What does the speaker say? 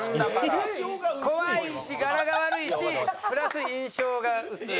怖いしガラが悪いしプラス印象が薄い。